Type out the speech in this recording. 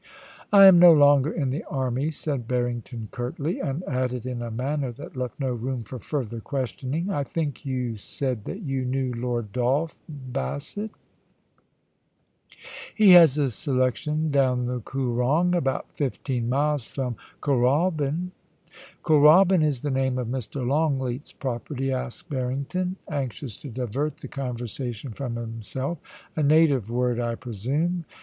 * I am no longer in the army,' said Barrington, curtly ; and added, in a manner that left no room for further ques tioning :* I think you said that you knew Lord Dolph Bassett ?* THE PREMIER'S STOREKEEPER. 25 * He has a selection down the Koorong, about fifteen miles from Kooralbyn.' 'Kooralbyn is the name of Mr. Longleat's property?* asked Barrington, anxious to divert the conversation from himself * A native word, I presume